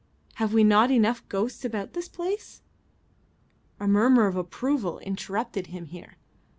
Have we not enough ghosts about this place?" A murmur of approval interrupted him here.